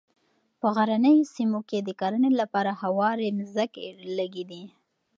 په غرنیو سیمو کې د کرنې لپاره هوارې مځکې لږې دي.